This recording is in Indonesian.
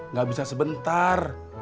nggak bisa sebentar